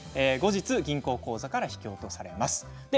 後日、銀行口座から引き落とされます。